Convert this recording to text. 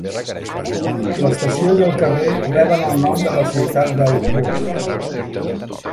L'estació i el carrer reben el nom de la ciutat d'Augsburg.